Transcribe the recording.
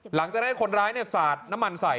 หลังจากนั้นคนร้ายสาดน้ำมันใส่